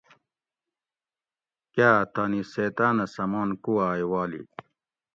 کاٞ تانی سیتاٞنہ سمان کوواٞۓ والی